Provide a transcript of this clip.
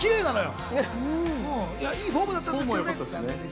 いいフォームだったんですけど。